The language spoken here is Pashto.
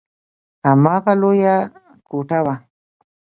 هماغه لويه کوټه وه.